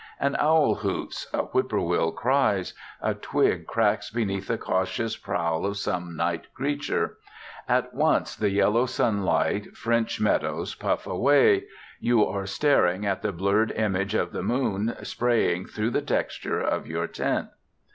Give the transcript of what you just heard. An owl hoots, a whippoorwill cries, a twig cracks beneath the cautious prowl of some night creature at once the yellow sunlit French meadows puff away you are staring at the blurred image of the moon spraying through the texture of your tent.